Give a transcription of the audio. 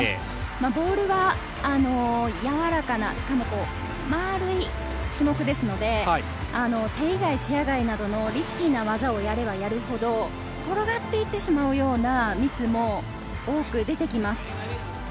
ボールは柔らかな、しかも丸い種目ですので、手以外視野外などのリスキーな技をやればやるほど、転がっていってしまうミスも多く出てきます。